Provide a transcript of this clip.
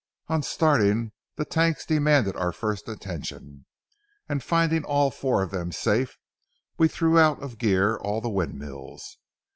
On starting, the tanks demanded our first attention, and finding all four of them safe, we threw out of gear all the windmills.